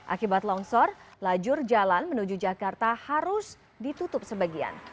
akibat longsor lajur jalan menuju jakarta harus ditutup sebagian